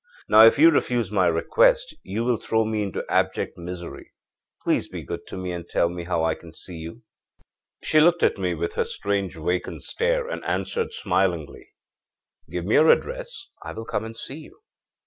Now, if you refuse my request, you will throw me into abject misery. Please be good to me and tell me how I can see you.' âShe looked at me with her strange vacant stare, and answered smilingly: â'Give me your address. I will come and see you.'